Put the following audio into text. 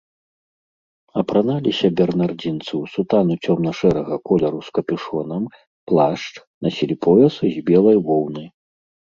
Апраналіся бернардзінцы ў сутану цёмна-шэрага колеру з капюшонам, плашч, насілі пояс з белай воўны.